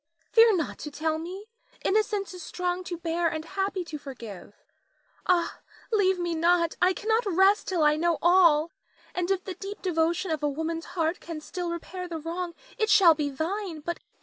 Fear not to tell me; innocence is strong to bear and happy to forgive. Ah, leave me not, I cannot rest till I know all, and if the deep devotion of a woman's heart can still repair the wrong, it shall be thine but answer me.